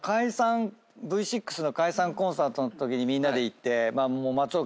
Ｖ６の解散コンサートのときにみんなで行って松岡